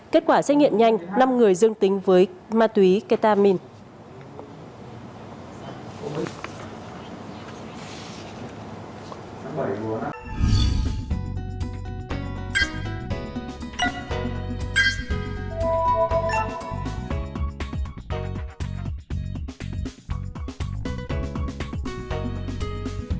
kết quả sẽ hiện nhanh năm người dương tính với ma túy ketamine